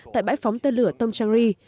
tại bãi phóng tên lửa tông trang ri